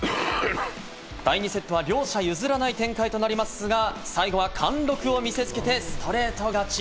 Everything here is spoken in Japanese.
第２セットは両者譲らない展開となりますが、最後は貫禄を見せつけてストレート勝ち。